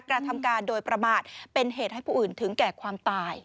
กระทำการโดยประมาทเป็นเหตุให้ผู้อื่นถึงแก่ความตาย